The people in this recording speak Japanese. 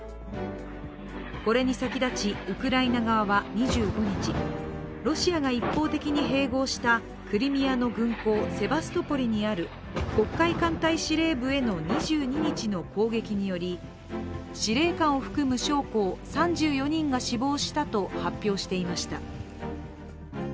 これに先立ちウクライナ側は２５日ロシアが一方的に併合したクリミアの軍港セバストポリにある黒海艦隊司令部への２２日の攻撃により司令官を含む将校３４人が死亡したと発表していました。